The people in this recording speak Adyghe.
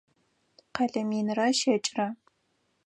Къэлэ минрэ щэкӏрэ.